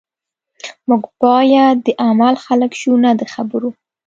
موږ باید د عمل خلک شو نه د خبرو